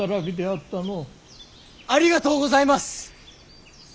ありがとうございます！